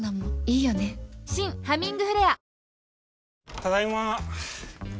ただいま。